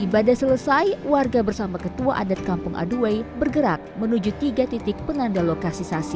ibadah selesai warga bersama ketua adat kampung aduway bergerak menuju tiga titik penanda lokasi sasi